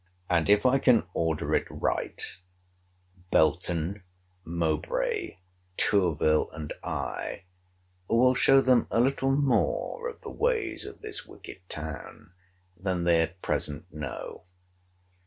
And, if I can order it right, Belton, Mowbray, Tourville, and I, will show them a little more of the ways of this wicked town, than they at present know.